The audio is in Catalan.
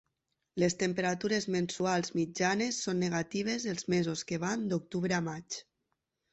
Les temperatures mensuals mitjanes són negatives els mesos que van d'octubre a maig.